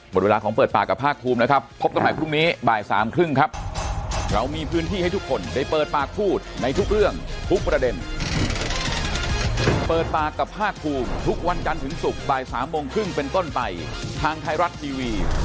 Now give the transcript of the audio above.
หมดเวลาของเปิดปากกับภาคภูมินะครับพบกันใหม่พรุ่งนี้บ่ายสามครึ่งครับ